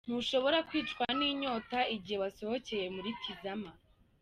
Ntushobora kwicwa n'inyota igihe wasohokeye muri Tizama.